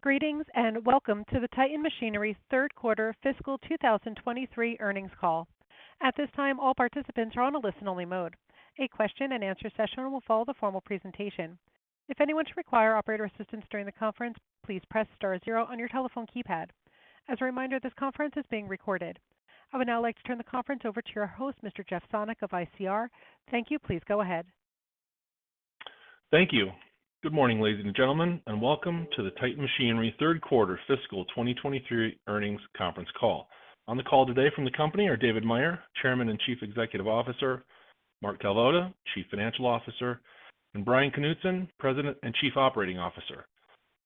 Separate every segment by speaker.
Speaker 1: Greetings, and welcome to the Titan Machinery's third quarter fiscal 2023 earnings call. At this time, all participants are on a listen-only mode. A question-and-answer session will follow the formal presentation. If anyone should require operator assistance during the conference, please press star zero on your telephone keypad. As a reminder, this conference is being recorded. I would now like to turn the conference over to your host, Mr. Jeff Sonnek of ICR. Thank you. Please go ahead.
Speaker 2: Thank you. Good morning, ladies and gentlemen, welcome to the Titan Machinery third quarter fiscal 2023 earnings conference call. On the call today from the company are David Meyer, Chairman and Chief Executive Officer, Mark Kalvoda, Chief Financial Officer, and Bryan Knutson, President and Chief Operating Officer.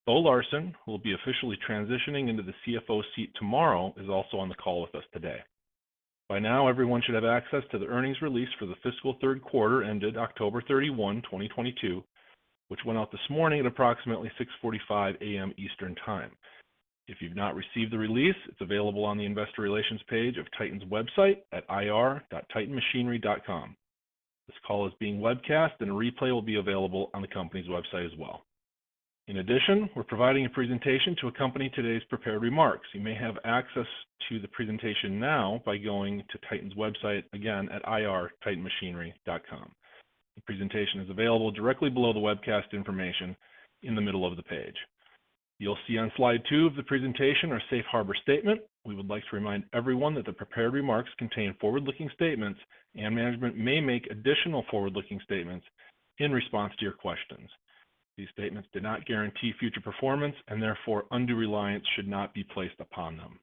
Speaker 2: Bo Larsen, who will be officially transitioning into the Chief Financial Officer seat tomorrow, is also on the call with us today. By now, everyone should have access to the earnings release for the fiscal third quarter ended October 31st, 2022, which went out this morning at approximately 6:45 A.M. Eastern Time. If you've not received the release, it's available on the investor relations page of Titan's website at ir.titanmachinery.com. This call is being webcast and a replay will be available on the company's website as well. In addition, we're providing a presentation to accompany today's prepared remarks. You may have access to the presentation now by going to Titan's website, again at ir.titanmachinery.com. The presentation is available directly below the webcast information in the middle of the page. You'll see on slide two of the presentation our safe harbor statement. We would like to remind everyone that the prepared remarks contain forward-looking statements and management may make additional forward-looking statements in response to your questions. These statements do not guarantee future performance, and therefore, undue reliance should not be placed upon them.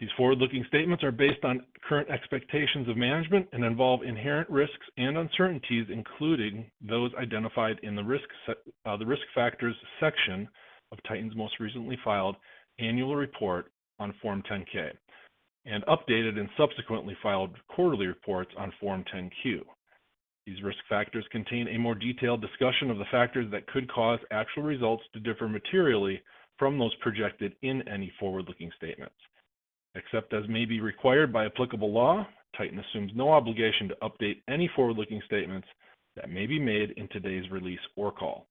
Speaker 2: These forward-looking statements are based on current expectations of management and involve inherent risks and uncertainties, including those identified in the Risk Factors section of Titan's most recently filed annual report on Form 10-K, and updated in subsequently filed quarterly reports on Form 10-Q. These risk factors contain a more detailed discussion of the factors that could cause actual results to differ materially from those projected in any forward-looking statements. Except as may be required by applicable law, Titan assumes no obligation to update any forward-looking statements that may be made in today's release or call.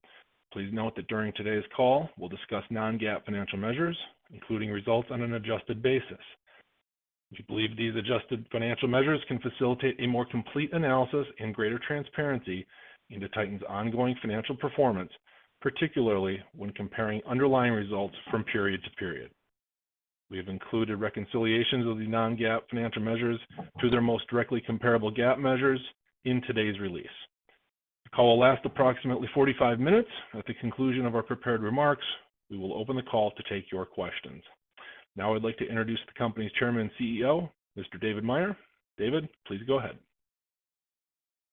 Speaker 2: Please note that during today's call, we'll discuss Non-GAAP financial measures, including results on an adjusted basis. We believe these adjusted financial measures can facilitate a more complete analysis and greater transparency into Titan's ongoing financial performance, particularly when comparing underlying results from period to period. We have included reconciliations of the Non-GAAP financial measures to their most directly comparable GAAP measures in today's release. The call will last approximately 45 minutes. At the conclusion of our prepared remarks, we will open the call to take your questions. Now I'd like to introduce the company's Chairman and Chief Executive Officer, Mr. David Meyer. David, please go ahead.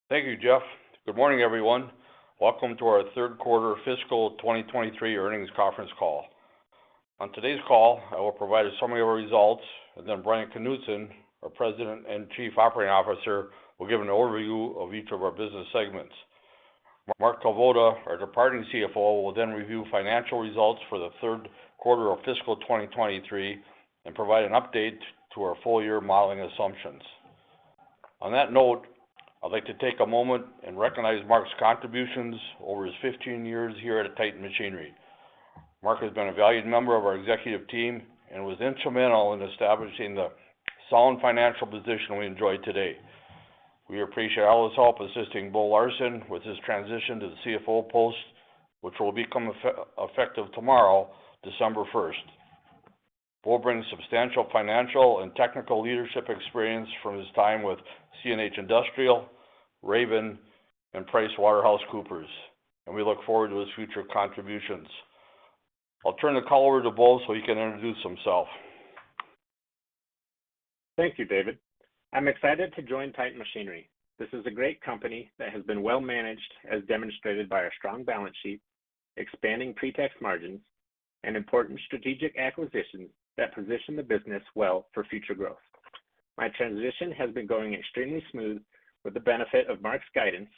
Speaker 3: Thank you, Jeff. Good morning, everyone. Welcome to our third quarter fiscal 2023 earnings conference call. On today's call, I will provide a summary of our results. Bryan Knutson, our President and Chief Operating Officer, will give an overview of each of our business segments. Mark Kalvoda, our departing Chief Financial Officer, will review financial results for the third quarter of fiscal 2023 and provide an update to our full year modeling assumptions. On that note, I'd like to take a moment and recognize Mark's contributions over his 15 years here at Titan Machinery. Mark has been a valued member of our executive team and was instrumental in establishing the solid financial position we enjoy today. We appreciate all his help assisting Bo Larsen with his transition to the Chief Financial Officer post, which will become effective tomorrow, December 1st. Bo brings substantial financial and technical leadership experience from his time with CNH Industrial, Raven, and PricewaterhouseCoopers, and we look forward to his future contributions. I'll turn the call over to Bo so he can introduce himself.
Speaker 4: Thank you, David. I'm excited to join Titan Machinery. This is a great company that has been well managed as demonstrated by our strong balance sheet, expanding pre-tax margins and important strategic acquisitions that position the business well for future growth. My transition has been going extremely smooth with the benefit of Mark's guidance.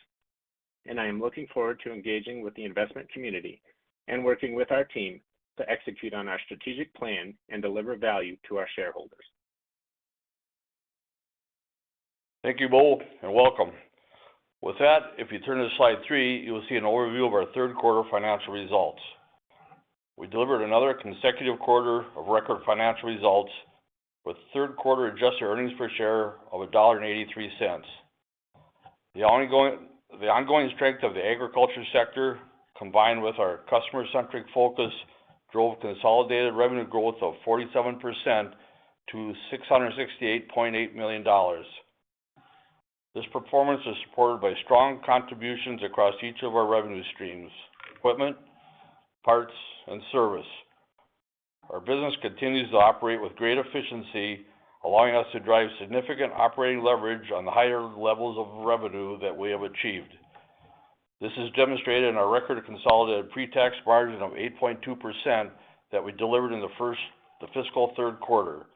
Speaker 4: I am looking forward to engaging with the investment community and working with our team to execute on our strategic plan and deliver value to our shareholders.
Speaker 3: Thank you, Bo, and welcome. If you turn to slide three, you will see an overview of our third quarter financial results. We delivered another consecutive quarter of record financial results with third quarter adjusted earnings per share of $1.83. The ongoing strength of the agriculture sector, combined with our customer-centric focus, drove consolidated revenue growth of 47% to $668.8 million. This performance is supported by strong contributions across each of our revenue streams: equipment, parts, and service. Our business continues to operate with great efficiency, allowing us to drive significant operating leverage on the higher levels of revenue that we have achieved. This is demonstrated in our record consolidated pre-tax margin of 8.2% that we delivered in the fiscal third quarter,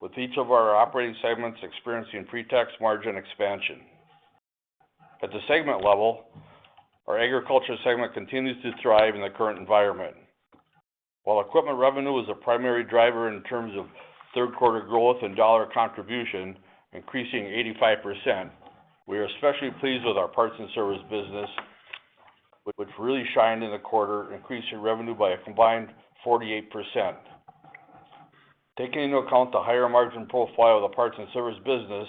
Speaker 3: with each of our operating segments experiencing pre-tax margin expansion. At the segment level, our agriculture segment continues to thrive in the current environment. While equipment revenue is a primary driver in terms of third quarter growth and dollar contribution, increasing 85%. We are especially pleased with our parts and service business, which really shined in the quarter, increasing revenue by a combined 48%. Taking into account the higher margin profile of the parts and service business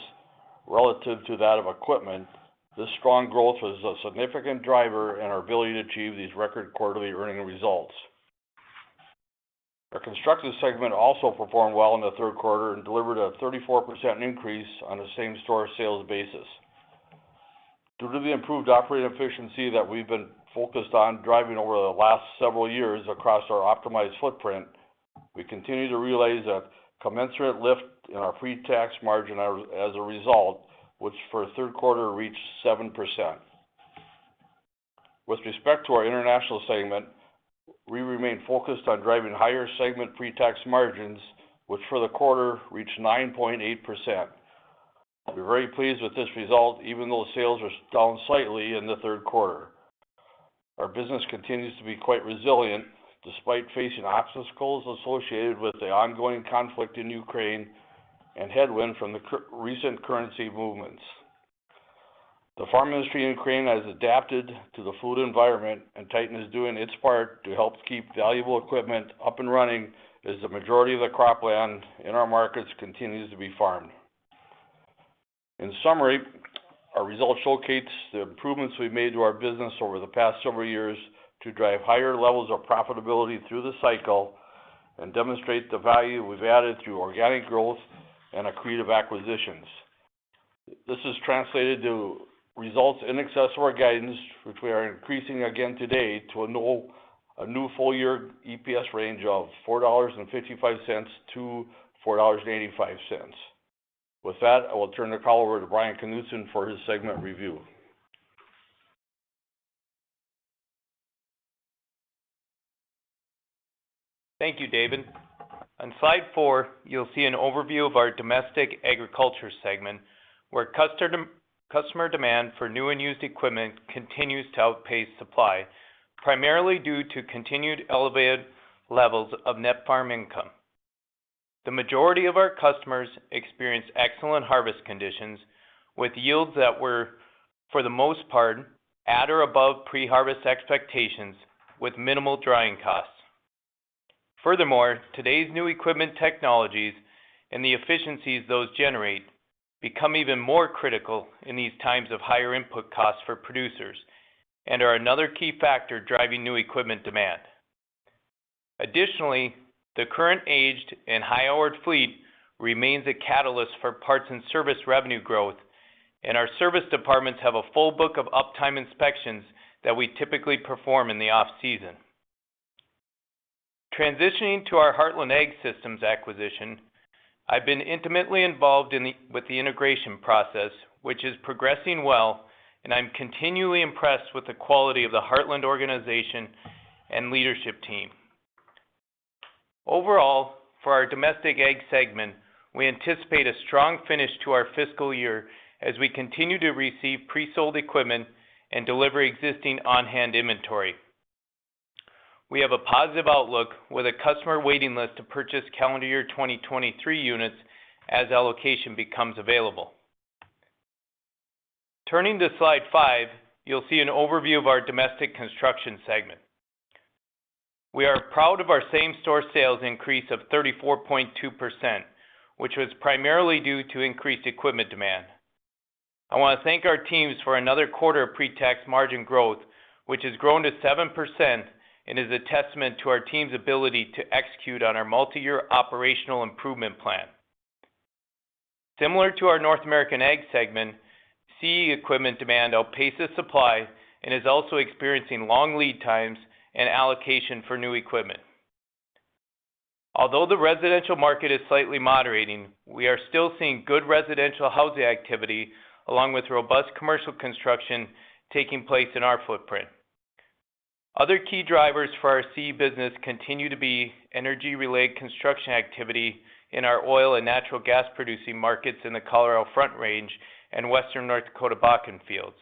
Speaker 3: relative to that of equipment, this strong growth was a significant driver in our ability to achieve these record quarterly earning results. Our construction segment also performed well in the third quarter and delivered a 34% increase on the same-store sales basis. Due to the improved operating efficiency that we've been focused on driving over the last several years across our optimized footprint, we continue to realize a commensurate lift in our pre-tax margin as a result, which for the third quarter reached 7%. With respect to our international segment, we remain focused on driving higher segment pre-tax margins, which for the quarter reached 9.8%. We're very pleased with this result, even though sales are down slightly in the third quarter. Our business continues to be quite resilient despite facing obstacles associated with the ongoing conflict in Ukraine and headwind from recent currency movements. The farm industry in Ukraine has adapted to the fluid environment, and Titan is doing its part to help keep valuable equipment up and running as the majority of the cropland in our markets continues to be farmed. In summary, our results showcase the improvements we've made to our business over the past several years to drive higher levels of profitability through the cycle and demonstrate the value we've added through organic growth and accretive acquisitions. This has translated to results in excess to our guidance, which we are increasing again today to a new full year EPS range of $4.55-$4.85. With that, I will turn the call over to Bryan Knutson for his segment review.
Speaker 5: Thank you, David. On slide four, you'll see an overview of our domestic agriculture segment, where customer demand for new and used equipment continues to outpace supply, primarily due to continued elevated levels of net farm income. The majority of our customers experienced excellent harvest conditions with yields that were, for the most part, at or above pre-harvest expectations with minimal drying costs. Today's new equipment technologies and the efficiencies those generate become even more critical in these times of higher input costs for producers and are another key factor driving new equipment demand. The current aged and high-hour fleet remains a catalyst for parts and service revenue growth, and our service departments have a full book of uptime inspections that we typically perform in the off-season. Transitioning to our Heartland Ag Systems acquisition, I've been intimately involved in the... with the integration process, which is progressing well, and I'm continually impressed with the quality of the Heartland organization and leadership team. Overall, for our domestic ag segment, we anticipate a strong finish to our fiscal year as we continue to receive pre-sold equipment and deliver existing on-hand inventory. We have a positive outlook with a customer waiting list to purchase calendar year 2023 units as allocation becomes available. Turning to slide five, you'll see an overview of our domestic construction segment. We are proud of our same-store sales increase of 34.2%, which was primarily due to increased equipment demand. I want to thank our teams for another quarter of pre-tax margin growth, which has grown to 7% and is a testament to our team's ability to execute on our multiyear operational improvement plan. Similar to our North American ag segment, CE equipment demand outpaces supply and is also experiencing long lead times and allocation for new equipment. Although the residential market is slightly moderating, we are still seeing good residential housing activity along with robust commercial construction taking place in our footprint. Other key drivers for our CE business continue to be energy-related construction activity in our oil and natural gas-producing markets in the Colorado Front Range and western North Dakota Bakken fields.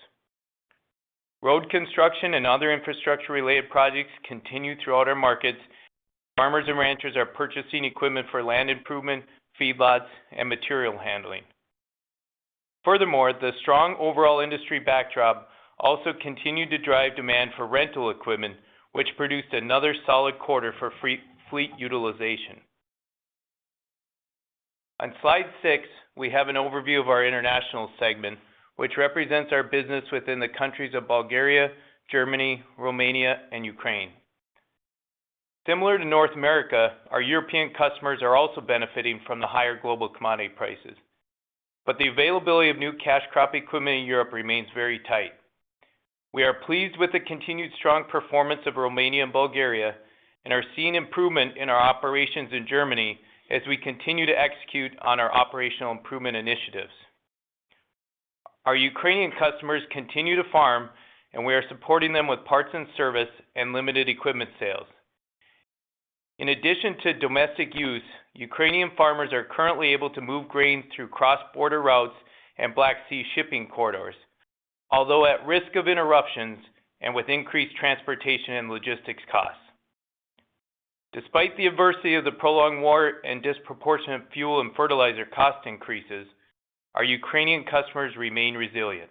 Speaker 5: Road construction and other infrastructure-related projects continue throughout our markets. Farmers and ranchers are purchasing equipment for land improvement, feedlots, and material handling. Furthermore, the strong overall industry backdrop also continued to drive demand for rental equipment, which produced another solid quarter for free-fleet utilization. On slide 6, we have an overview of our international segment, which represents our business within the countries of Bulgaria, Germany, Romania, and Ukraine. Similar to North America, our European customers are also benefiting from the higher global commodity prices. The availability of new cash crop equipment in Europe remains very tight. We are pleased with the continued strong performance of Romania and Bulgaria and are seeing improvement in our operations in Germany as we continue to execute on our operational improvement initiatives. Our Ukrainian customers continue to farm, and we are supporting them with parts and service and limited equipment sales. In addition to domestic use, Ukrainian farmers are currently able to move grain through cross-border routes and Black Sea shipping corridors, although at risk of interruptions and with increased transportation and logistics costs. Despite the adversity of the prolonged war and disproportionate fuel and fertilizer cost increases, our Ukrainian customers remain resilient.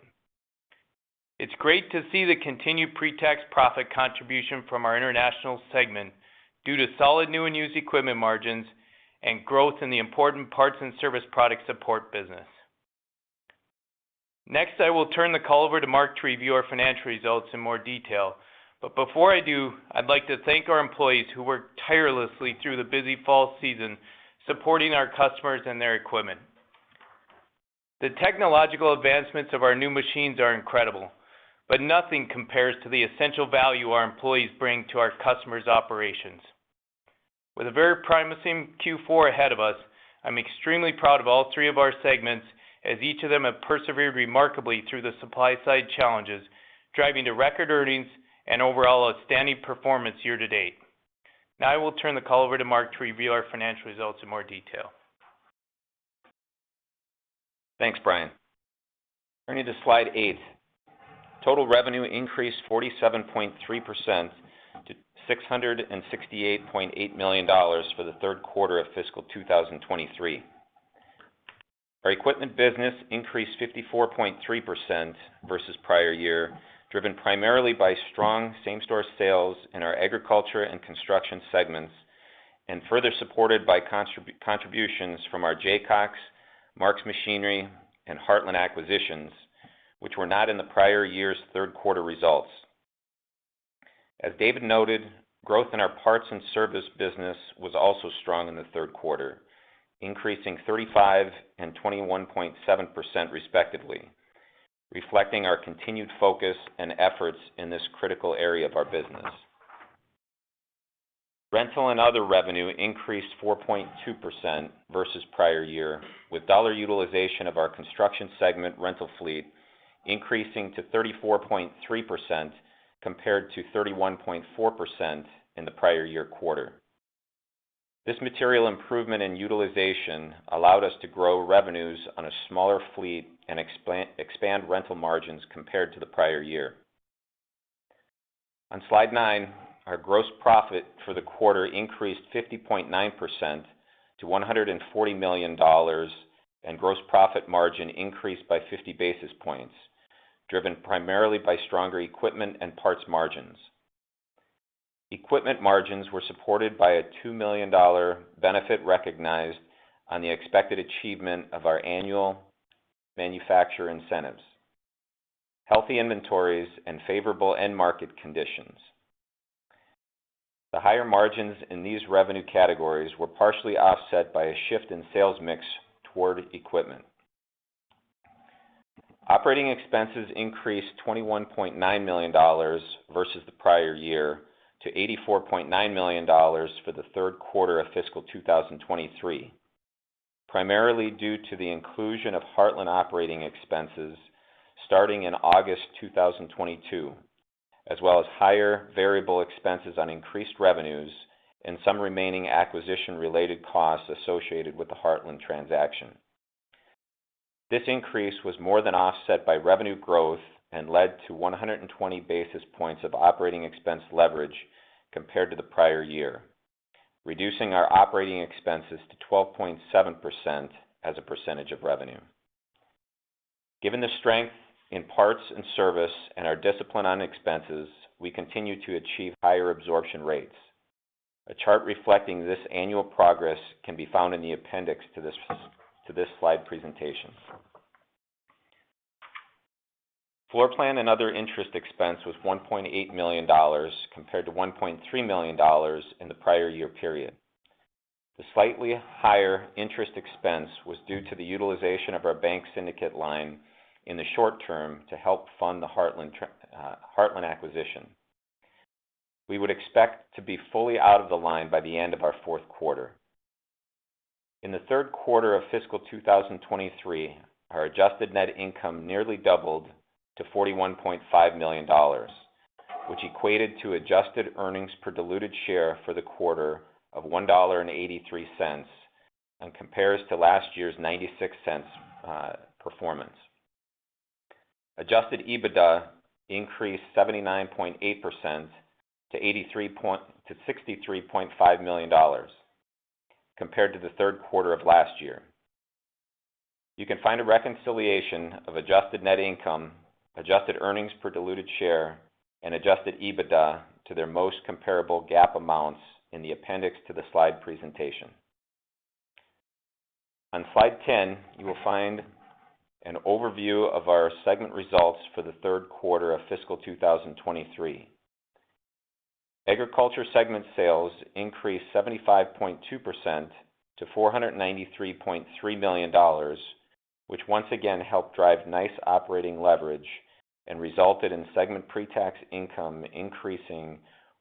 Speaker 5: It's great to see the continued pre-tax profit contribution from our international segment due to solid new and used equipment margins and growth in the important parts and service product support business. Next, I will turn the call over to Mark to review our financial results in more detail. Before I do, I'd like to thank our employees who work tirelessly through the busy fall season supporting our customers and their equipment. The technological advancements of our new machines are incredible, but nothing compares to the essential value our employees bring to our customers' operations. With a very promising Q4 ahead of us, I'm extremely proud of all three of our segments as each of them have persevered remarkably through the supply side challenges, driving to record earnings and overall outstanding performance year to date. I will turn the call over to Mark to review our financial results in more detail.
Speaker 6: Thanks, Brian. Turning to slide eight. Total revenue increased 47.3% to $668.8 million for the third quarter of fiscal 2023. Our equipment business increased 54.3% versus prior year, driven primarily by strong same-store sales in our agriculture and construction segments and further supported by contributions from our Jacox, Mark's Machinery, and Heartland acquisitions, which were not in the prior year's third quarter results. As David noted, growth in our parts and service business was also strong in the third quarter, increasing 35% and 21.7% respectively, reflecting our continued focus and efforts in this critical area of our business. Rental and other revenue increased 4.2% versus prior year, with dollar utilization of our construction segment rental fleet increasing to 34.3% compared to 31.4% in the prior year quarter. This material improvement in utilization allowed us to grow revenues on a smaller fleet and expand rental margins compared to the prior year. On slide nine, our gross profit for the quarter increased 50.9% to $140 million, and gross profit margin increased by 50 basis points, driven primarily by stronger equipment and parts margins. Equipment margins were supported by a $2 million benefit recognized on the expected achievement of our annual manufacturer incentives, healthy inventories, and favorable end market conditions. The higher margins in these revenue categories were partially offset by a shift in sales mix toward equipment. Operating expenses increased $21.9 million versus the prior year to $84.9 million for the third quarter of fiscal 2023, primarily due to the inclusion of Heartland operating expenses starting in August 2022, as well as higher variable expenses on increased revenues and some remaining acquisition-related costs associated with the Heartland transaction. This increase was more than offset by revenue growth and led to 120 basis points of operating expense leverage compared to the prior year, reducing our operating expenses to 12.7% as a percentage of revenue. Given the strength in parts and service and our discipline on expenses, we continue to achieve higher absorption rates. A chart reflecting this annual progress can be found in the appendix to this slide presentation. Floor plan and other interest expense was $1.8 million compared to $1.3 million in the prior year period. The slightly higher interest expense was due to the utilization of our bank syndicate line in the short term to help fund the Heartland acquisition. We would expect to be fully out of the line by the end of our fourth quarter. In the third quarter of fiscal 2023, our adjusted net income nearly doubled to $41.5 million, which equated to adjusted earnings per diluted share for the quarter of $1.83 and compares to last year's $0.96 performance. Adjusted EBITDA increased 79.8% to $63.5 million compared to the third quarter of last year. You can find a reconciliation of adjusted net income, adjusted earnings per diluted share, and adjusted EBITDA to their most comparable GAAP amounts in the appendix to the slide presentation. On Slide 10, you will find an overview of our segment results for the third quarter of fiscal 2023. Agriculture segment sales increased 75.2% to $493.3 million, which once again helped drive nice operating leverage and resulted in segment pre-tax income increasing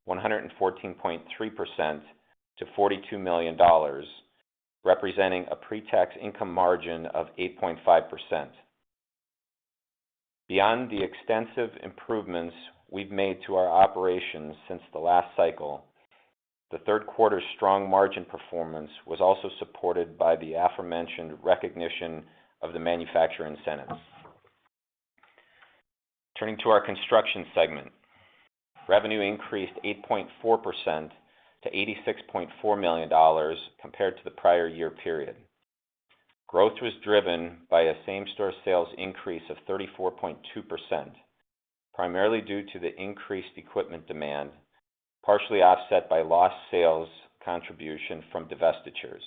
Speaker 6: 114.3% to $42 million, representing a pre-tax income margin of 8.5%. Beyond the extensive improvements we've made to our operations since the last cycle, the third quarter's strong margin performance was also supported by the aforementioned recognition of the manufacturer incentives. Turning to our construction segment. Revenue increased 8.4% to $86.4 million compared to the prior year period. Growth was driven by a same-store sales increase of 34.2%, primarily due to the increased equipment demand, partially offset by lost sales contribution from divestitures.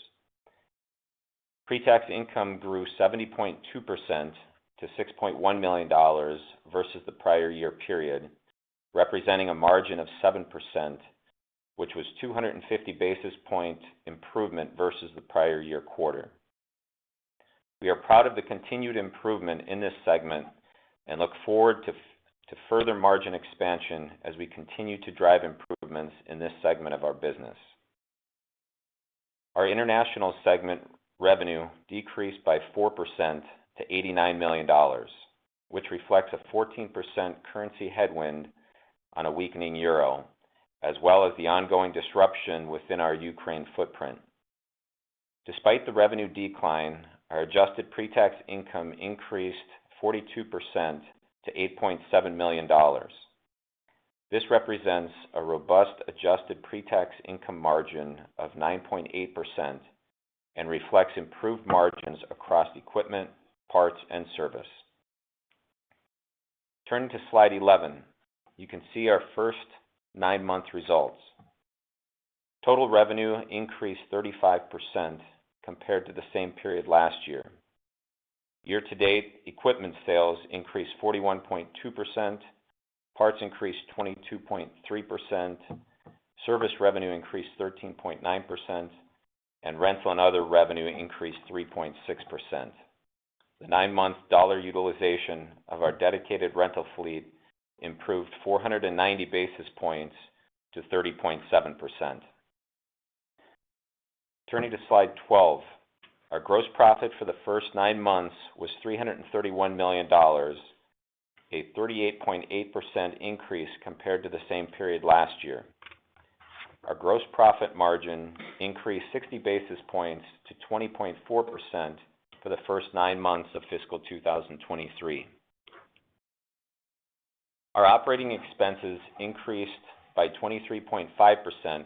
Speaker 6: Pre-tax income grew 70.2% to $6.1 million versus the prior year period, representing a margin of 7%, which was 250 basis point improvement versus the prior year quarter. We are proud of the continued improvement in this segment and look forward to further margin expansion as we continue to drive improvements in this segment of our business. Our international segment revenue decreased by 4% to $89 million, which reflects a 14% currency headwind on a weakening euro, as well as the ongoing disruption within our Ukraine footprint. Despite the revenue decline, our adjusted pre-tax income increased 42% to $8.7 million. This represents a robust adjusted pre-tax income margin of 9.8% and reflects improved margins across equipment, parts, and service. Turning to Slide 11, you can see our first nine-month results. Total revenue increased 35% compared to the same period last year. Year-to-date equipment sales increased 41.2%, parts increased 22.3%, service revenue increased 13.9%, rental and other revenue increased 3.6%. The nine-month dollar utilization of our dedicated rental fleet improved 490 basis points to 30.7%. Turning to Slide 12. Our gross profit for the first nine months was $331 million, a 38.8% increase compared to the same period last year. Our gross profit margin increased 60 basis points to 20.4% for the first nine months of fiscal 2023. Our operating expenses increased by 23.5%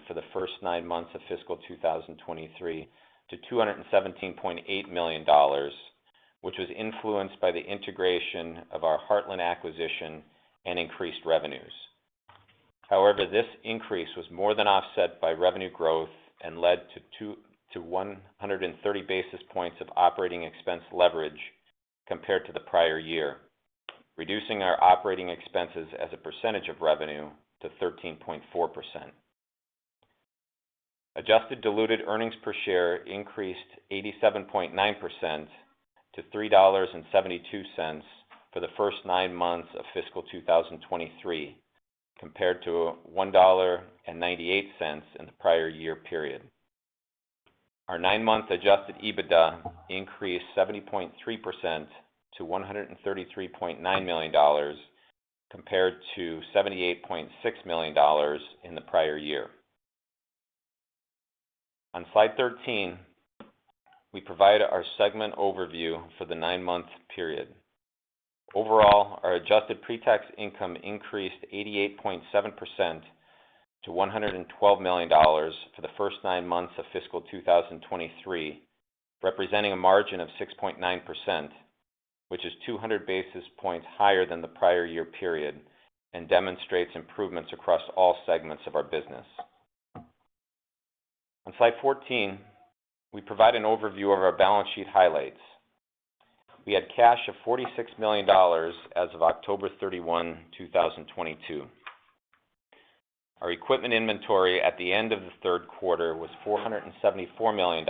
Speaker 6: for the first nine months of fiscal 2023 to $217.8 million, which was influenced by the integration of our Heartland acquisition and increased revenues. This increase was more than offset by revenue growth and led to 130 basis points of operating expense leverage compared to the prior year, reducing our operating expenses as a percentage of revenue to 13.4%. Adjusted diluted earnings per share increased 87.9% to $3.72 for the first nine months of fiscal 2023, compared to $1.98 in the prior year period. Our nine-month adjusted EBITDA increased 70.3% to $133.9 million, compared to $78.6 million in the prior year. On Slide 13, we provide our segment overview for the nine-month period. Overall, our adjusted pre-tax income increased 88.7% to $112 million for the first nine months of fiscal 2023, representing a margin of 6.9%, which is 200 basis points higher than the prior year period and demonstrates improvements across all segments of our business. On Slide 14, we provide an overview of our balance sheet highlights. We had cash of $46 million as of October 31st, 2022. Our equipment inventory at the end of the third quarter was $474 million,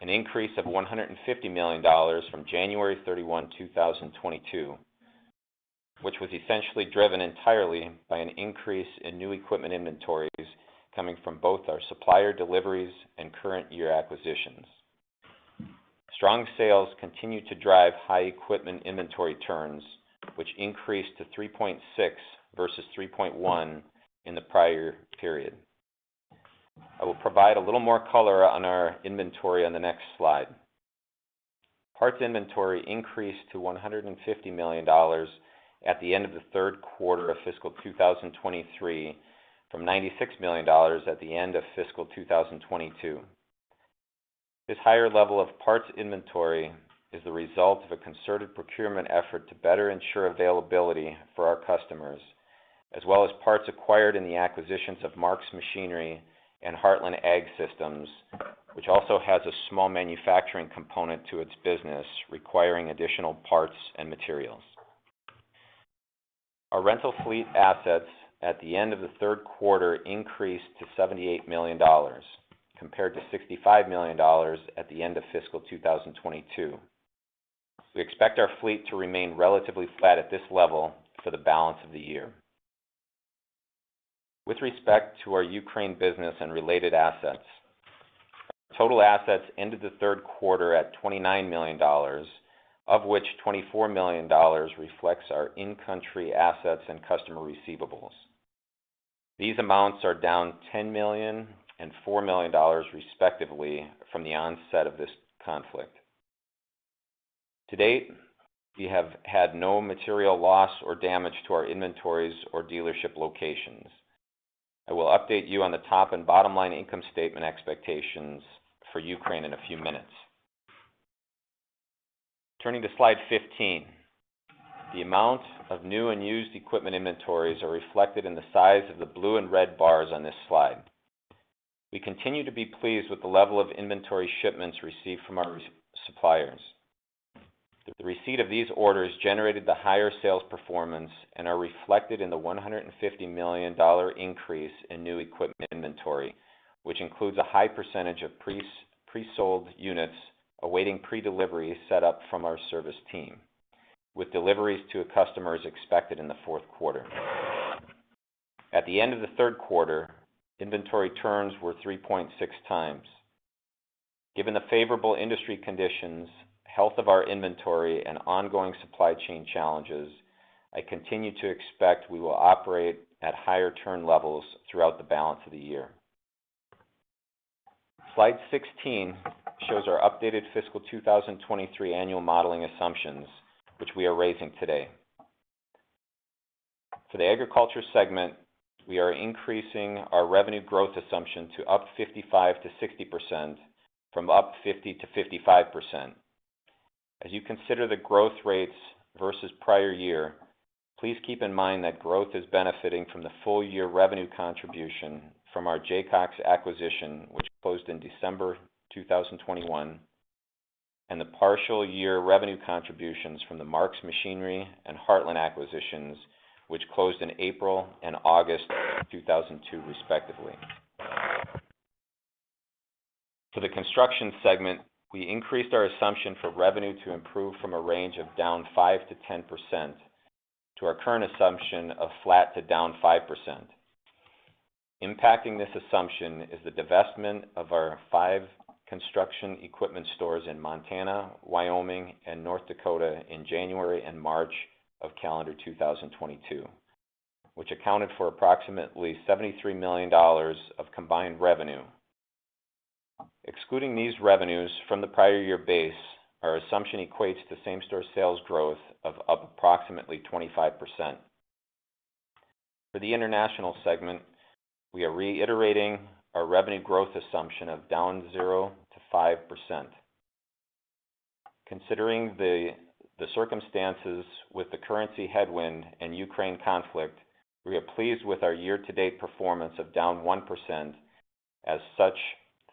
Speaker 6: an increase of $150 million from January 31st, 2022, which was essentially driven entirely by an increase in new equipment inventories coming from both our supplier deliveries and current year acquisitions. Strong sales continue to drive high equipment inventory turns, which increased to 3.6 turns versus 3.1 turns in the prior period. I will provide a little more color on our inventory on the next slide. Parts inventory increased to $150 million at the end of the third quarter of fiscal 2023 from $96 million at the end of fiscal 2022. This higher level of parts inventory is the result of a concerted procurement effort to better ensure availability for our customers, as well as parts acquired in the acquisitions of Mark's Machinery and Heartland Ag Systems, which also has a small manufacturing component to its business, requiring additional parts and materials. Our rental fleet assets at the end of the third quarter increased to $78 million, compared to $65 million at the end of fiscal 2022. We expect our fleet to remain relatively flat at this level for the balance of the year. With respect to our Ukraine business and related assets, total assets ended the third quarter at $29 million, of which $24 million reflects our in-country assets and customer receivables. These amounts are down $10 million and $4 million respectively from the onset of this conflict. To date, we have had no material loss or damage to our inventories or dealership locations. I will update you on the top and bottom line income statement expectations for Ukraine in a few minutes. Turning to slide 15. The amount of new and used equipment inventories are reflected in the size of the blue and red bars on this slide. We continue to be pleased with the level of inventory shipments received from our suppliers. The receipt of these orders generated the higher sales performance and are reflected in the $150 million increase in new equipment inventory, which includes a high percentage of presold units awaiting predelivery set up from our service team, with deliveries to customers expected in the fourth quarter. At the end of the third quarter, inventory turns were 3.6x. Given the favorable industry conditions, health of our inventory, and ongoing supply chain challenges, I continue to expect we will operate at higher turn levels throughout the balance of the year. Slide 16 shows our updated fiscal 2023 annual modeling assumptions, which we are raising today. For the agriculture segment, we are increasing our revenue growth assumption to up 55%-60% from up 50%-55%. As you consider the growth rates versus prior year, please keep in mind that growth is benefiting from the full year revenue contribution from our Jacox acquisition, which closed in December 2021, and the partial year revenue contributions from the Marks Machinery and Heartland acquisitions, which closed in April and August 2002 respectively. For the construction segment, we increased our assumption for revenue to improve from a range of down 5%-10% to our current assumption of flat to down 5%. Impacting this assumption is the divestment of our five construction equipment stores in Montana, Wyoming, and North Dakota in January and March of calendar 2022, which accounted for approximately $73 million of combined revenue. Excluding these revenues from the prior year base, our assumption equates to same-store sales growth of up approximately 25%. For the international segment, we are reiterating our revenue growth assumption of down 0%-5%. Considering the circumstances with the currency headwind and Ukraine conflict, we are pleased with our year-to-date performance of down 1%.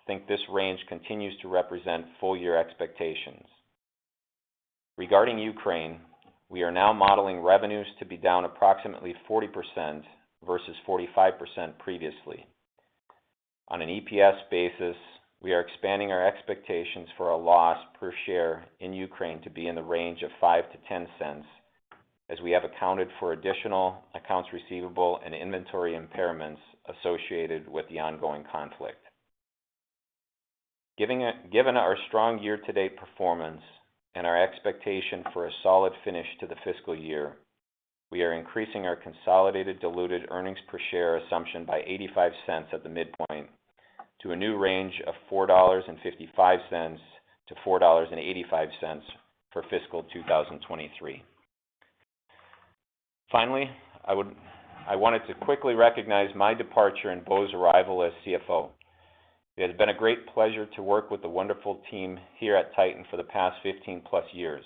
Speaker 6: I think this range continues to represent full year expectations. Regarding Ukraine, we are now modeling revenues to be down approximately 40% versus 45% previously. On an EPS basis, we are expanding our expectations for a loss per share in Ukraine to be in the range of $0.05-$0.10 as we have accounted for additional accounts receivable and inventory impairments associated with the ongoing conflict. Given our strong year-to-date performance and our expectation for a solid finish to the fiscal year, we are increasing our consolidated diluted earnings per share assumption by $0.85 at the midpoint to a new range of $4.55-$4.85 for fiscal 2023. Finally, I wanted to quickly recognize my departure and Bo's arrival as Chief Financial Officer. It has been a great pleasure to work with the wonderful team here at Titan for the past 15+ years.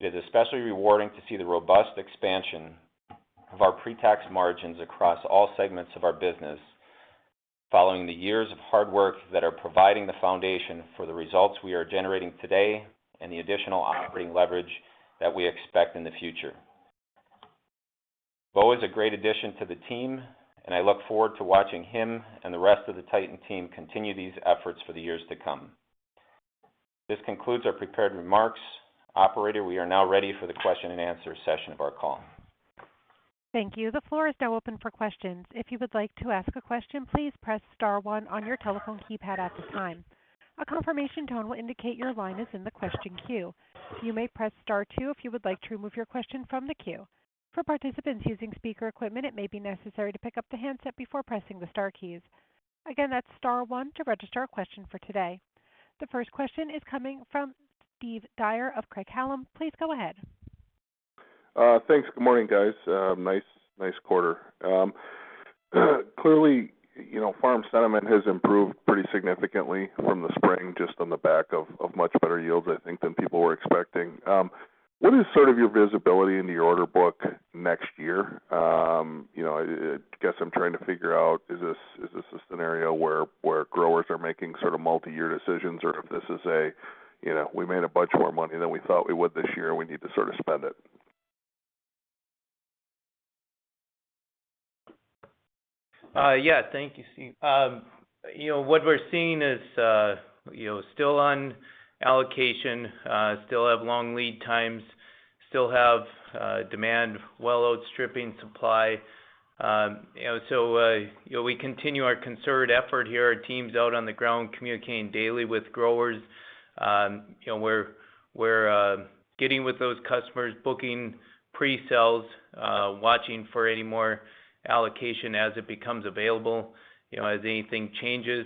Speaker 6: It is especially rewarding to see the robust expansion of our pre-tax margins across all segments of our business following the years of hard work that are providing the foundation for the results we are generating today and the additional operating leverage that we expect in the future. Bo Larsen is a great addition to the team. I look forward to watching him and the rest of the Titan team continue these efforts for the years to come. This concludes our prepared remarks. Operator, we are now ready for the question and answer session of our call.
Speaker 1: Thank you. The floor is now open for questions. If you would like to ask a question, please press star one on your telephone keypad at this time. A confirmation tone will indicate your line is in the question queue. You may press star two if you would like to remove your question from the queue. For participants using speaker equipment, it may be necessary to pick up the handset before pressing the star keys. Again, that's star one to register a question for today. The first question is coming from Steve Dyer of Craig-Hallum. Please go ahead.
Speaker 7: Thanks. Good morning, guys. Nice, nice quarter. Clearly, you know, farm sentiment has improved pretty significantly from the spring just on the back of much better yields, I think, than people were expecting. What is sort of your visibility in the order book next year? You know, I guess I'm trying to figure out, is this a scenario where growers are making sort of multi-year decisions or if this is a, you know, we made a bunch more money than we thought we would this year and we need to sort of spend it?
Speaker 5: Yeah. Thank you, Steve. You know, what we're seeing is, you know, still on allocation, still have long lead times, still have demand well outstripping supply. You know, we continue our concerted effort here. Our team's out on the ground communicating daily with growers. You know, we're getting with those customers, booking pre-sales, watching for any more allocation as it becomes available, you know, as anything changes.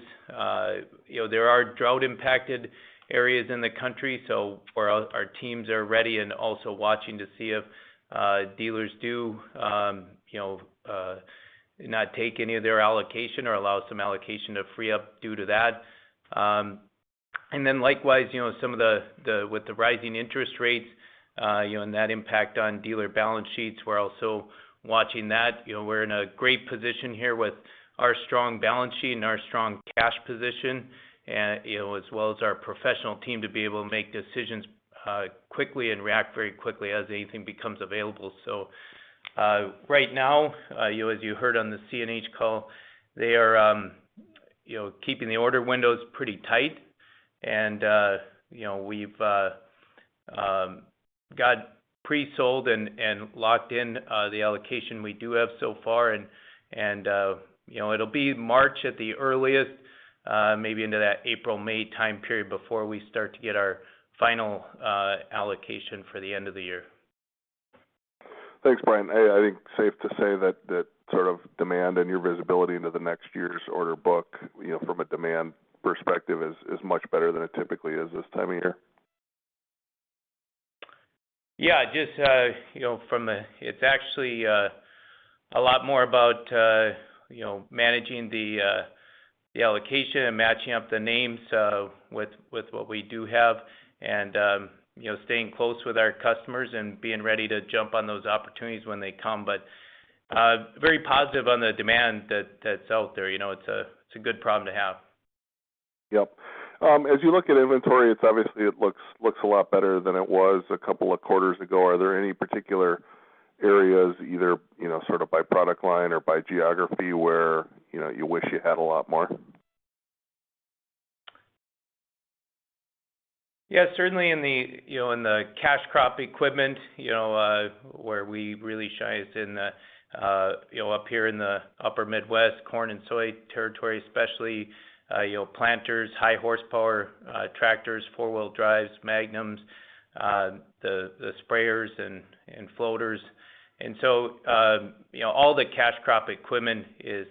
Speaker 5: You know, there are drought-impacted areas in the country, for our teams are ready and also watching to see if dealers do, you know, not take any of their allocation or allow some allocation to free up due to that. Likewise, you know, some of the with the rising interest rates, you know, that impact on dealer balance sheets, we're also watching that. You know, we're in a great position here with our strong balance sheet and our strong cash position, you know, as well as our professional team to be able to make decisions quickly and react very quickly as anything becomes available. Right now, you know, as you heard on the CNH call, they are, you know, keeping the order windows pretty tight. You know, we've got pre-sold and locked in the allocation we do have so far. You know, it'll be March at the earliest, maybe into that April-May time period before we start to get our final allocation for the end of the year.
Speaker 7: Thanks, Brian. Hey, I think safe to say that that sort of demand and your visibility into the next year's order book, you know, from a demand perspective is much better than it typically is this time of year.
Speaker 5: Yeah. Just, you know, It's actually a lot more about, you know, managing the allocation and matching up the names with what we do have and, you know, staying close with our customers and being ready to jump on those opportunities when they come. Very positive on the demand that's out there. You know, it's a good problem to have.
Speaker 7: Yep. As you look at inventory, it's obviously, it looks a lot better than it was a couple of quarters ago. Are there any particular areas either, you know, sort of by product line or by geography where, you know, you wish you had a lot more?
Speaker 5: Yeah, certainly in the, you know, in the cash crop equipment, you know, where we really shine is in the, you know, up here in the upper Midwest corn and soy territory especially, you know, planters, high horsepower, tractors, four-wheel drives, Magnum, the sprayers and floaters. All the cash crop equipment is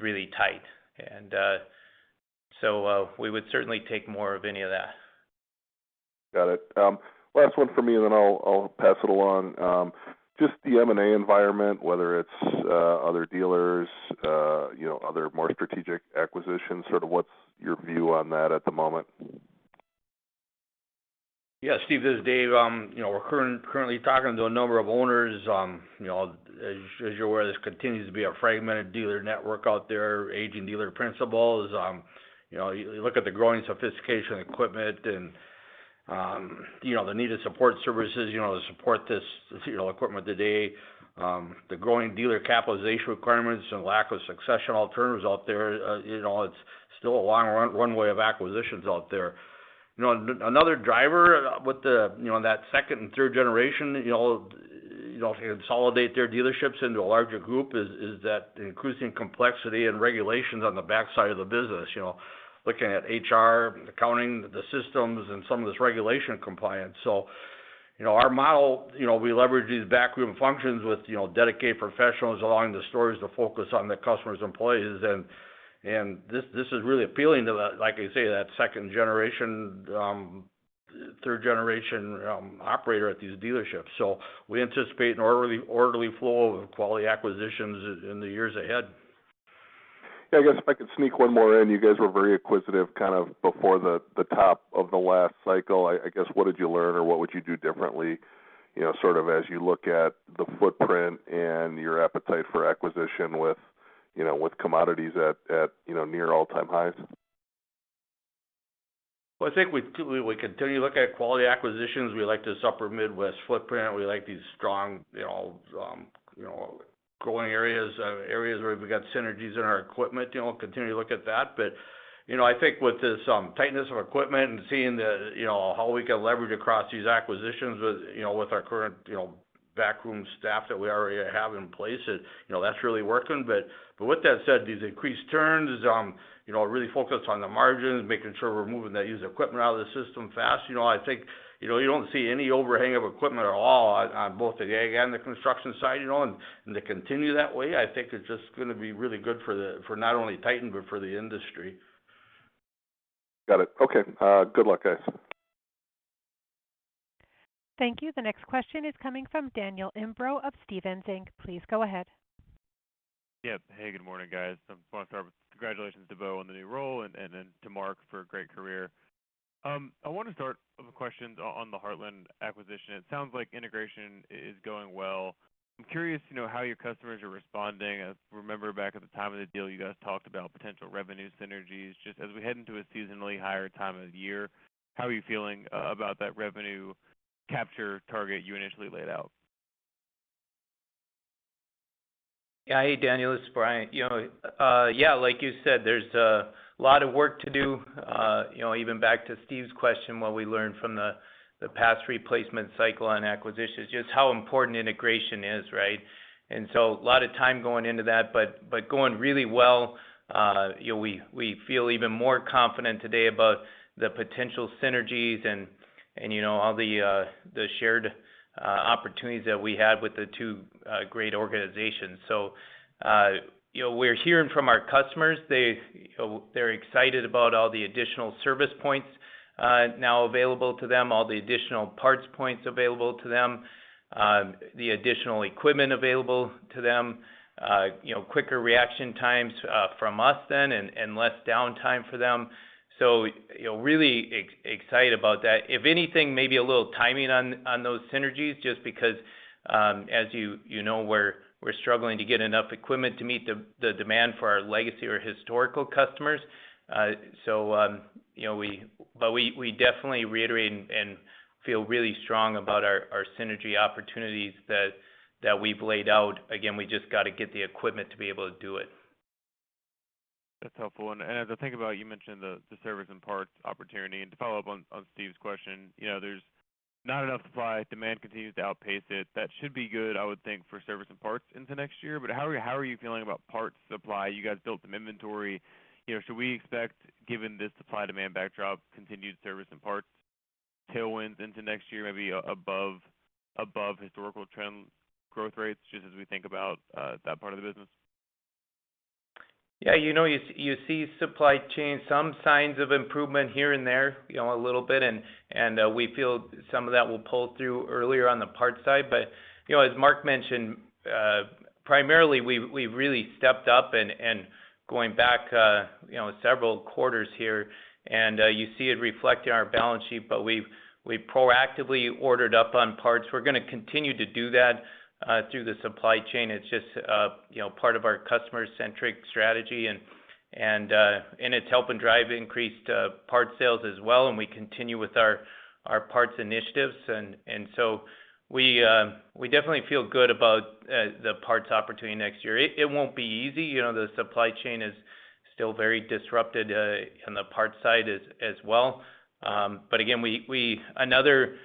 Speaker 5: really tight. We would certainly take more of any of that.
Speaker 7: Got it. Last one from me, and then I'll pass it along. Just the M&A environment, whether it's other dealers, you know, other more strategic acquisitions, sort of what's your view on that at the moment?
Speaker 3: Yeah. Steve, this is Dave. you know, we're currently talking to a number of owners. you know, as you're aware, this continues to be a fragmented dealer network out there, aging dealer principals. you know, you look at the growing sophistication equipment and, you know, the needed support services, you know, to support this, you know, equipment today. The growing dealer capitalization requirements and lack of succession alternatives out there, you know, it's still a long runway of acquisitions out there. You know, another driver with the, you know, that second and third generation, you know, to consolidate their dealerships into a larger group is that the increasing complexity and regulations on the backside of the business. You know, looking at HR and accounting, the systems and some of this regulation compliance. You know, our model, you know, we leverage these backroom functions with, you know, dedicated professionals, allowing the stores to focus on the customers, employees. This is really appealing to that, like I say, that second generation, third generation, operator at these dealerships. We anticipate an orderly flow of quality acquisitions in the years ahead.
Speaker 7: Yeah. I guess if I could sneak one more in. You guys were very acquisitive kind of before the top of the last cycle. I guess, what did you learn or what would you do differently, you know, sort of as you look at the footprint and your appetite for acquisition with, you know, with commodities at, you know, near all-time highs?
Speaker 3: Well, I think we continue to look at quality acquisitions. We like this upper Midwest footprint. We like these strong, you know, you know, growing areas where we've got synergies in our equipment, you know, continue to look at that. You know, I think with this tightness of equipment and seeing the, you know, how we can leverage across these acquisitions with, you know, with our current, you know, backroom staff that we already have in place, you know, that's really working. With that said, these increased turns, you know, really focused on the margins, making sure we're moving that used equipment out of the system fast. You know, I think, you know, you don't see any overhang of equipment at all on both the ag and the construction side, you know. to continue that way, I think it's just gonna be really good for the, for not only Titan, but for the industry.
Speaker 7: Got it. Okay. Good luck, guys.
Speaker 1: Thank you. The next question is coming from Daniel Imbro of Stephens Inc. Please go ahead.
Speaker 8: Good morning, guys. I just want to start with congratulations to Bo Larsen on the new role and to Mark for a great career. I want to start with questions on the Heartland acquisition. It sounds like integration is going well. I'm curious, you know, how your customers are responding. I remember back at the time of the deal, you guys talked about potential revenue synergies. Just as we head into a seasonally higher time of year, how are you feeling about that revenue capture target you initially laid out?
Speaker 5: Hey, Daniel, this is Bryan. You know, like you said, there's a lot of work to do. You know, even back to Steve's question, what we learned from the past replacement cycle on acquisitions, just how important integration is, right? A lot of time going into that, but going really well. You know, we feel even more confident today about the potential synergies and, you know, all the shared opportunities that we had with the two great organizations. You know, we're hearing from our customers, they're excited about all the additional service points now available to them, all the additional parts points available to them, the additional equipment available to them, you know, quicker reaction times from us then and less downtime for them. you know, really excited about that. If anything, maybe a little timing on those synergies, just because, as you know, we're struggling to get enough equipment to meet the demand for our legacy or historical customers. you know, but we definitely reiterate and feel really strong about our synergy opportunities that we've laid out. We just gotta get the equipment to be able to do it.
Speaker 8: That's helpful. As I think about, you mentioned the service and parts opportunity. To follow up on Steve's question, you know, there's not enough supply. Demand continues to outpace it. That should be good, I would think, for service and parts into next year. How are you feeling about parts supply? You guys built some inventory. You know, should we expect, given this supply demand backdrop, continued service and parts tailwinds into next year, maybe above historical trend growth rates, just as we think about that part of the business?
Speaker 5: Yeah. You know, you see supply chain, some signs of improvement here and there, you know, a little bit. We feel some of that will pull through earlier on the parts side. You know, as Mark mentioned, primarily we've really stepped up and going back, you know, several quarters here, and you see it reflected in our balance sheet, but we've proactively ordered up on parts. We're gonna continue to do that through the supply chain. It's just, you know, part of our customer-centric strategy and it's helping drive increased part sales as well, and we continue with our parts initiatives. So we definitely feel good about the parts opportunity next year. It won't be easy. You know, the supply chain is still very disrupted, on the parts side as well. Again, we another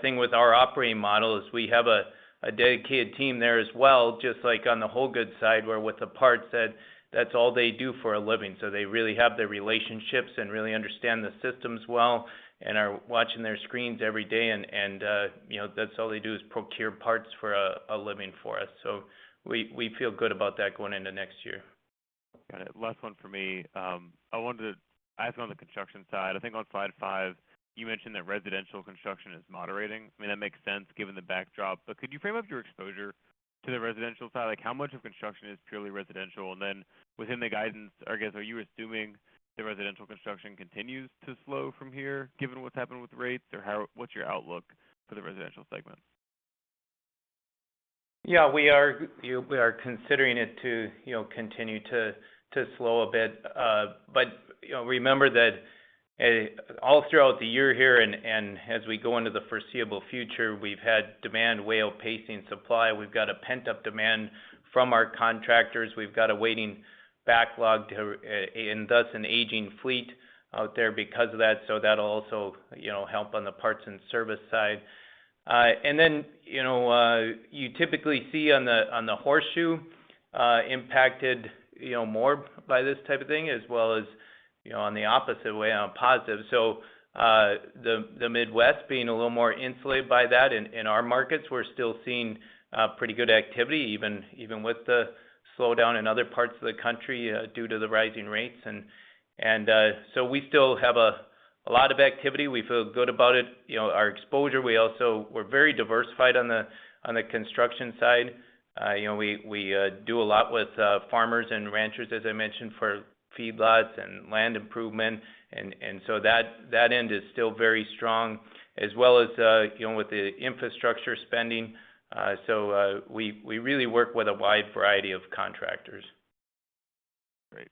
Speaker 5: thing with our operating model is we have a dedicated team there as well, just like on the whole goods side, where with the parts, that's all they do for a living. They really have the relationships and really understand the systems well and are watching their screens every day and, you know, that's all they do, is procure parts for a living for us. We feel good about that going into next year.
Speaker 8: Got it. Last one for me. I wanted to ask on the construction side. I think on slide five, you mentioned that residential construction is moderating. I mean, that makes sense given the backdrop. Could you frame up your exposure to the residential side? Like, how much of construction is purely residential? Within the guidance, I guess, are you assuming the residential construction continues to slow from here, given what's happened with rates, or what's your outlook for the residential segment?
Speaker 5: Yeah. We are considering it, you know, continue to slow a bit. You know, remember that all throughout the year here as we go into the foreseeable future, we've had demand way out pacing supply. We've got a pent-up demand from our contractors. We've got a waiting backlog and thus an aging fleet out there because of that'll also, you know, help on the parts and service side. You know, you typically see on the horseshoe impacted, you know, more by this type of thing, as well as, you know, on the opposite way on positive. The Midwest being a little more insulated by that. In our markets, we're still seeing pretty good activity, even with the slowdown in other parts of the country, due to the rising rates. We still have a lot of activity. We feel good about it. You know, our exposure, we're very diversified on the construction side. You know, we do a lot with farmers and ranchers, as I mentioned, for feedlots and land improvement. That end is still very strong. As well as, you know, with the infrastructure spending. We really work with a wide variety of contractors.
Speaker 8: Great.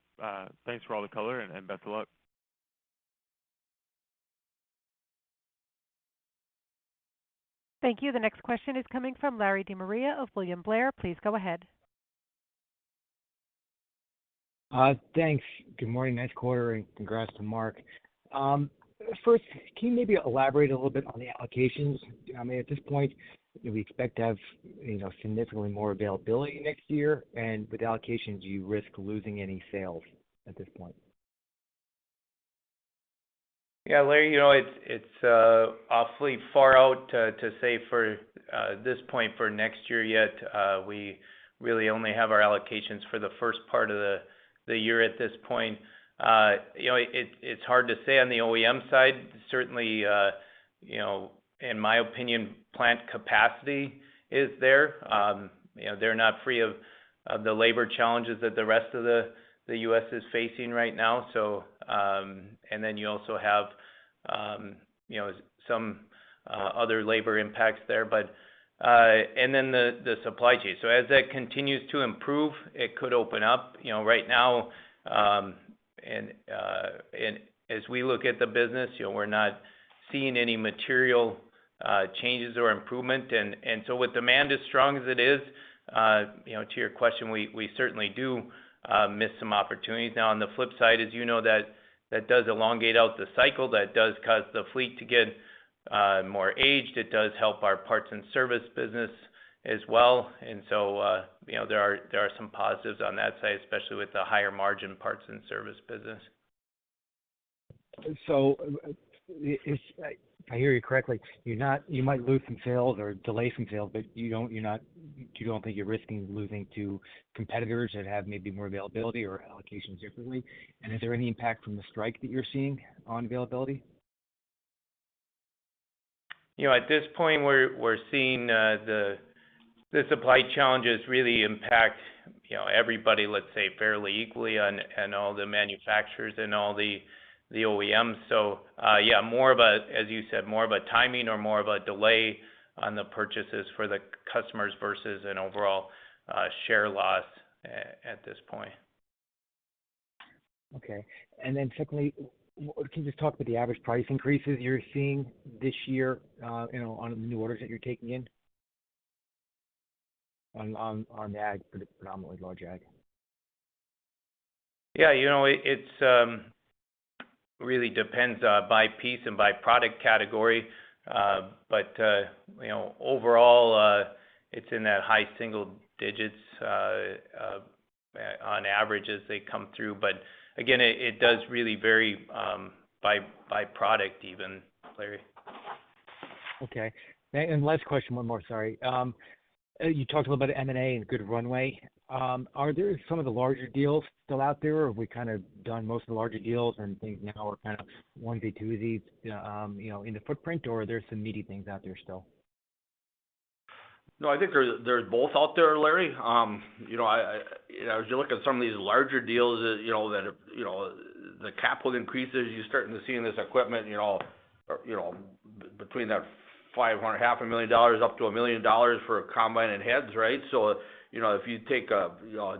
Speaker 8: Thanks for all the color, and best of luck.
Speaker 1: Thank you. The next question is coming from Larry DeMaria of William Blair. Please go ahead.
Speaker 9: Thanks. Good morning. Nice quarter, and congrats to Mark. First, can you maybe elaborate a little bit on the allocations? At this point, do we expect to have significantly more availability next year? With allocations, do you risk losing any sales at this point?
Speaker 5: Yeah. Larry, you know, it's awfully far out to say for this point for next year yet. We really only have our allocations for the first part of the year at this point. You know, it's hard to say on the OEM side. Certainly, you know, in my opinion, plant capacity is there. You know, they're not free of the labor challenges that the rest of the U.S. is facing right now. And then you also have, you know, some other labor impacts there. The supply chain. As that continues to improve, it could open up. You know, right now. As we look at the business, you know, we're not seeing any material changes or improvement. With demand as strong as it is, you know, to your question, we certainly do miss some opportunities. On the flip side, as you know, that does elongate out the cycle, that does cause the fleet to get more aged. It does help our parts and service business as well. You know, there are, there are some positives on that side, especially with the higher margin parts and service business.
Speaker 9: If I hear you correctly, you might lose some sales or delay some sales, but you don't think you're risking losing to competitors that have maybe more availability or allocations differently? Is there any impact from the strike that you're seeing on availability?
Speaker 6: You know, at this point, we're seeing, the supply challenges really impact, you know, everybody, let's say, fairly equally on, and all the manufacturers and all the OEMs. Yeah, more of a, as you said, more of a timing or more of a delay on the purchases for the customers versus an overall share loss at this point.
Speaker 9: Secondly, can you just talk about the average price increases you're seeing this year, you know, on the new orders that you're taking in? On the ag, predominantly large ag.
Speaker 6: Yeah. You know, it's really depends by piece and by product category. You know, overall, it's in that high single digits on average as they come through. Again, it does really vary by product even, Larry.
Speaker 9: Okay. Last question, one more, sorry. You talked a little about M&A and good runway. Are there some of the larger deals still out there, or have we kind of done most of the larger deals and things now are kind of onesie, twosies, you know, in the footprint, or are there some meaty things out there still?
Speaker 3: No, I think there's both out there, Larry. You know, I, as you look at some of these larger deals that, you know, that are, the capital increases, you're starting to see in this equipment, you know, between that five and a half a million dollars up to $1 million for a combine and heads, right? You know, if you take a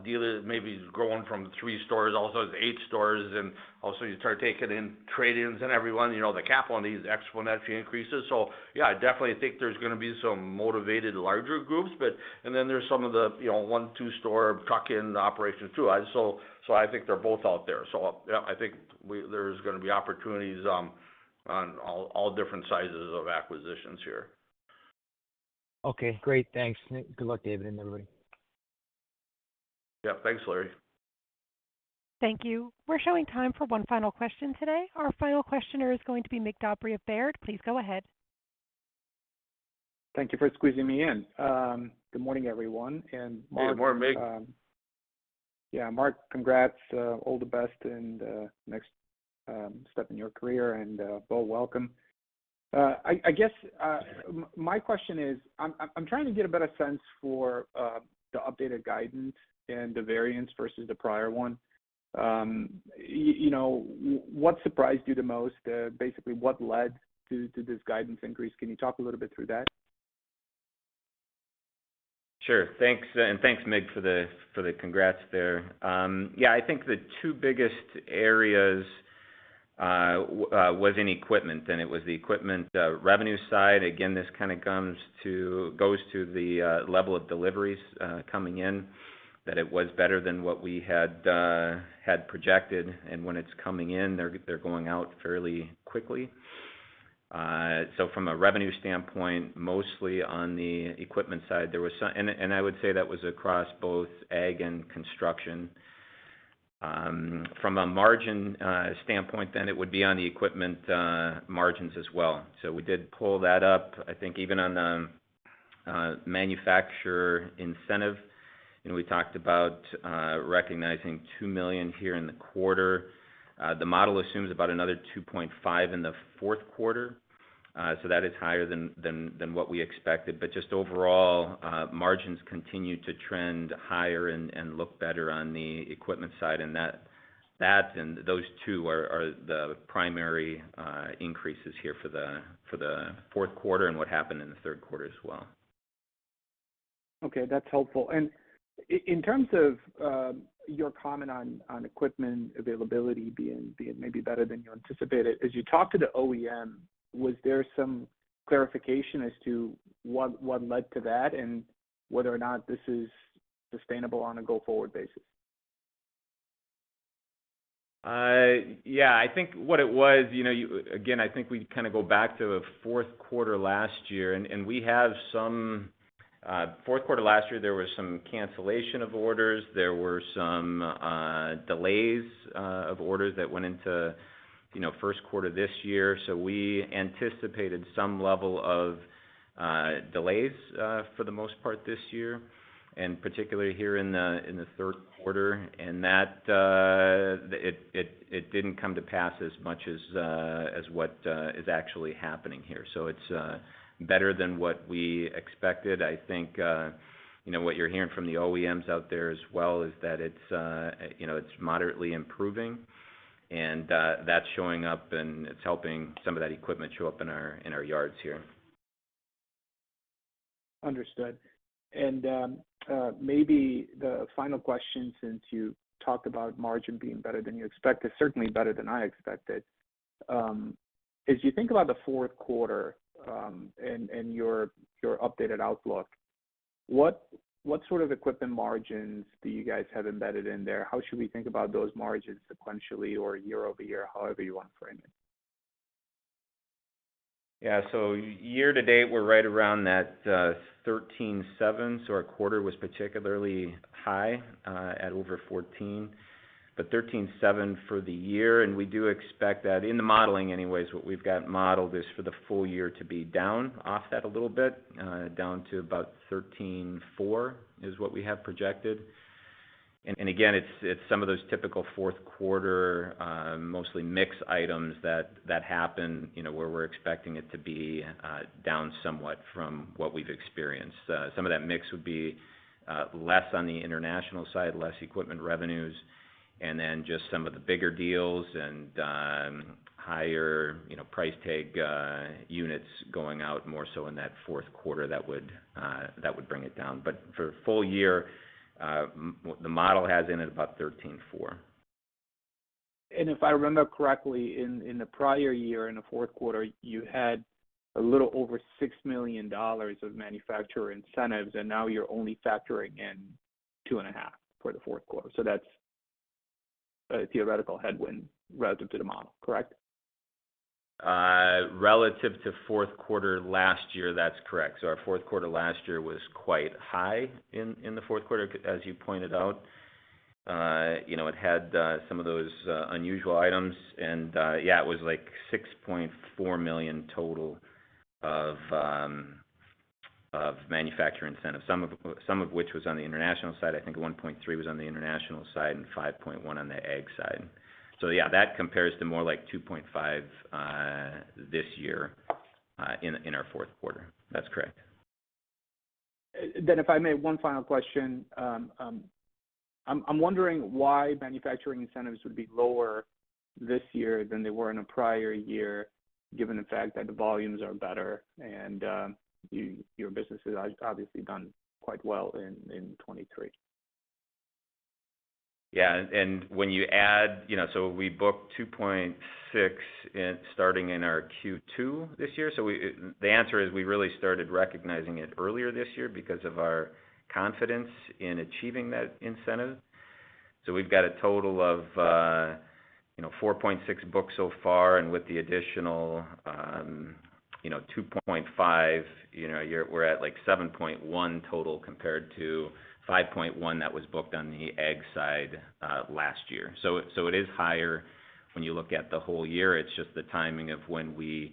Speaker 3: dealer that maybe is growing from three stores all the way to eight stores, also you start taking in trade-ins and everyone, you know, the capital on these exponentially increases. Yeah, I definitely think there's gonna be some motivated larger groups. Then there's some of the, you know, one-store, two-store truck in operations too. So I think they're both out there. Yeah, I think there's going to be opportunities on all different sizes of acquisitions here.
Speaker 9: Okay, great. Thanks. Good luck, David, and everybody.
Speaker 3: Yeah. Thanks, Larry.
Speaker 1: Thank you. We're showing time for one final question today. Our final questioner is going to be Mircea Dobre of Baird. Please go ahead.
Speaker 10: Thank you for squeezing me in. Good morning, everyone. Mark-
Speaker 3: Good morning, Mig.
Speaker 10: Yeah. Mark, congrats. All the best in the next step in your career. Bo Larsen welcome. I guess my question is, I'm trying to get a better sense for the updated guidance and the variance versus the prior one. You know, what surprised you the most? Basically what led to this guidance increase? Can you talk a little bit through that?
Speaker 6: Sure. Thanks. Thanks Mig for the congrats there. Yeah, I think the two biggest areas was in equipment, and it was the equipment revenue side. Again, this kind of goes to the level of deliveries coming in, that it was better than what we had projected. When it's coming in, they're going out fairly quickly. From a revenue standpoint, mostly on the equipment side, there was some. I would say that was across both ag and construction. From a margin standpoint, then it would be on the equipment margins as well. We did pull that up. I think even on the manufacturer incentive, you know, we talked about recognizing $2 million here in the quarter. The model assumes about another $2.5 million in the fourth quarter. That is higher than what we expected. Just overall, margins continue to trend higher and look better on the equipment side. That and those two are the primary increases here for the fourth quarter and what happened in the third quarter as well.
Speaker 10: Okay. That's helpful. In terms of, your comment on equipment availability being maybe better than you anticipated, as you talked to the OEM, was there some clarification as to what led to that and whether or not this is sustainable on a go-forward basis?
Speaker 6: Yeah. I think what it was, you know, again, I think we kind of go back to the fourth quarter last year. And we have some, fourth quarter last year, there was some cancellation of orders. There were some delays of orders that went into, you know, first quarter this year. So we anticipated some level of delays for the most part this year, and particularly here in the third quarter. And that, it didn't come to pass as much as what is actually happening here. So it's better than what we expected. I think, you know, what you're hearing from the OEMs out there as well is that it's, you know, it's moderately improving. That's showing up, and it's helping some of that equipment show up in our, in our yards here.
Speaker 10: Understood. Maybe the final question since you talked about margin being better than you expected, certainly better than I expected, as you think about the fourth quarter, and your updated outlook, what sort of equipment margins do you guys have embedded in there? How should we think about those margins sequentially or year-over-year? However you want to frame it.
Speaker 6: Year to date, we're right around that 13.7%. Our quarter was particularly high at over 14%. 13.7% for the year, and we do expect that in the modeling anyways. What we've got modeled is for the full year to be down off that a little bit, down to about 13.4%, is what we have projected. Again, it's some of those typical fourth quarter, mostly mix items that happen, you know, where we're expecting it to be down somewhat from what we've experienced. Some of that mix would be less on the international side, less equipment revenues, and then just some of the bigger deals and higher, you know, price tag units going out more so in that fourth quarter that would bring it down. For full year, the model has in it about 13.4%.
Speaker 10: If I remember correctly, in the prior year, in the fourth quarter, you had a little over $6 million of manufacturer incentives, and now you're only factoring in two and a half for the fourth quarter. That's a theoretical headwind relative to the model, correct?
Speaker 6: Relative to fourth quarter last year, that's correct. Our fourth quarter last year was quite high in the fourth quarter, as you pointed out. You know, it had some of those unusual items and, yeah, it was like $6.4 million total of manufacturer incentives. Some of which was on the international side. I think $1.3 million was on the international side and $5.1 million on the ag side. Yeah, that compares to more like $2.5 million this year in our fourth quarter. That's correct.
Speaker 10: If I may, one final question. I'm wondering why manufacturing incentives would be lower this year than they were in a prior year, given the fact that the volumes are better and your business has obviously done quite well in 2023.
Speaker 6: Yeah. When you add... You know, we booked $2.6 million starting in our Q2 this year. We, the answer is we really started recognizing it earlier this year because of our confidence in achieving that incentive. We've got a total of, you know, $4.6 million booked so far. With the additional, you know, $2.5 million, you know, we're at like $7.1 million total compared to $5.1 million that was booked on the ag side, last year. It is higher when you look at the whole year. It's just the timing of when we,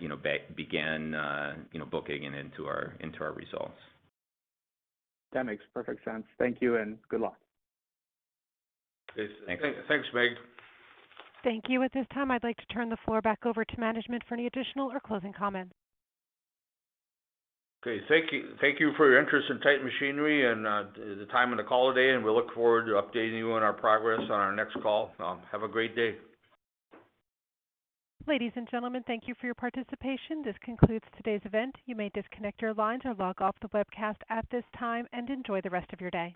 Speaker 6: you know, began, you know, booking it into our, into our results.
Speaker 10: That makes perfect sense. Thank you and good luck.
Speaker 6: Yes. Thanks.
Speaker 3: Thanks, Mike.
Speaker 1: Thank you. At this time, I'd like to turn the floor back over to management for any additional or closing comments.
Speaker 3: Okay, thank you. Thank you for your interest in Titan Machinery and the time on the call today. We look forward to updating you on our progress on our next call. Have a great day.
Speaker 1: Ladies and gentlemen, thank you for your participation. This concludes today's event. You may disconnect your lines or log off the webcast at this time, and enjoy the rest of your day.